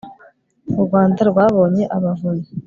u rwanda rwabonye abavunyi